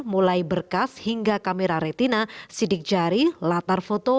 mulai berkas hingga kamera retina sidik jari latar foto